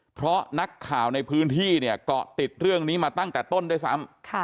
เพราะนักข่าวในพื้นที่เนี่ยเกาะติดเรื่องนี้มาตั้งแต่ต้นด้วยซ้ำ